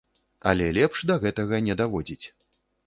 Але лепш да гэтага не даводзіць.